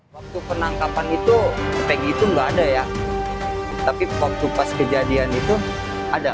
waktu penangkapan itu kayak gitu nggak ada ya tapi waktu pas kejadian itu ada